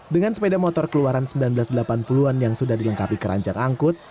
dengan sepeda motor keluaran seribu sembilan ratus delapan puluh an yang sudah dilengkapi keranjang angkut